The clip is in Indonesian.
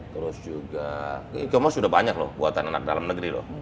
terus juga e commerce sudah banyak loh buatan anak dalam negeri loh